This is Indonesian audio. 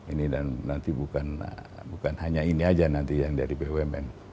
ini dan nanti bukan hanya ini aja nanti yang dari bumn